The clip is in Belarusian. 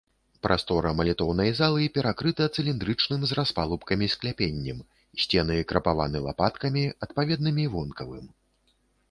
Прастора малітоўнай залы перакрыта цыліндрычным з распалубкамі скляпеннем, сцены крапаваны лапаткамі, адпаведнымі вонкавым.